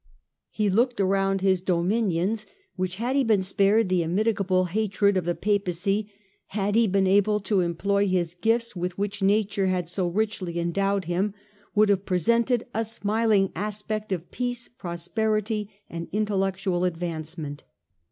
He looked around his dominions, which, had he been spared the immitigable hatred of the Papacy, had he been able to employ those gifts with which nature had so richly endowed him, would have presented a smiling aspect of peace, prosperity and intellectual advancement.